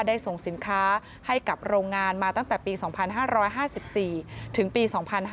ได้ส่งสินค้าให้กับโรงงานมาตั้งแต่ปี๒๕๕๔ถึงปี๒๕๕๙